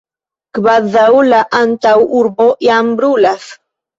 kvazaŭ la antaŭurbo jam brulas!